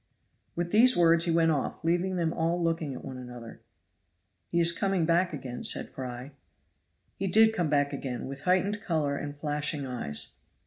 With these words he went off leaving them all looking at one another. "He is coming back again," said Fry. He did come back again with heightened color and flashing eyes.